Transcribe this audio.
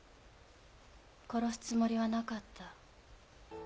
殺すつもりはなかった。